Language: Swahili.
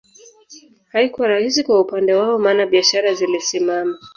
Haikuwa rahisi kwa upande wao maana biashara zilisimama